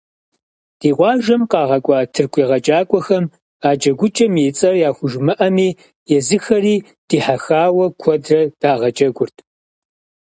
Ди къуажэм къагъэкӀуа тырку егъэджакӀуэхэм а джэгукӏэм и цӀэр яхужымыӏэми, езыхэри дихьэхауэ куэдрэ дагъэджэгурт.